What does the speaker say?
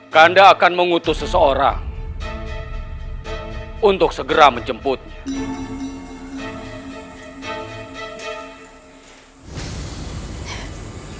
kanda akan mengutus seseorang untuk segera menjemputnya